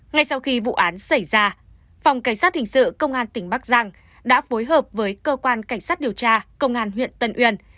ngay sau khi vụ án xảy ra phòng cảnh sát hình sự công an tỉnh bắc giang đã phối hợp với cơ quan cảnh sát điều tra công an huyện tân uyên